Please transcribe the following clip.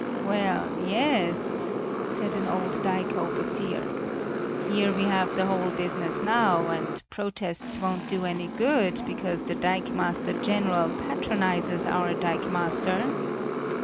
"Well, yes," said an old dike overseer, "here we have the whole business now, and protests won't do any good, because the dikemaster general patronises our dikemaster."